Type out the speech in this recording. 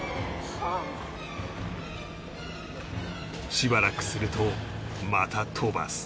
しばらくするとまた飛ばす